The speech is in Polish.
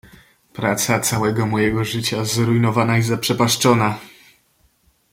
"Praca całego mojego życia zrujnowana i zaprzepaszczona!"